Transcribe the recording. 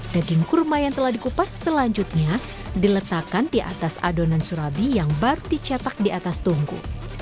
daging kurma yang telah dikupas selanjutnya diletakkan di atas adonan surabi yang baru dicetak di atas tungku